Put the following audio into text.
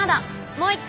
もう一回。